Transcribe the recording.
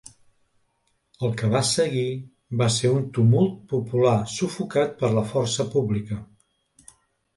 El que va seguir va ser un tumult popular, sufocat per la força pública.